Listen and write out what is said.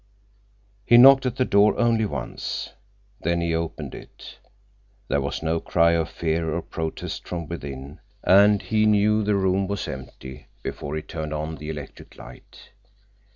He knocked at the door only once. Then he opened it. There was no cry of fear or protest from within, and he knew the room was empty before he turned on the electric light.